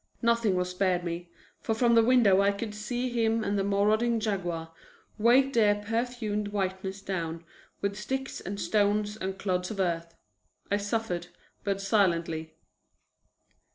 Nothing was spared me, for from the window I could see him and the marauding Jaguar weight their perfumed whiteness down with sticks and stones and clods of earth. I suffered, but silently.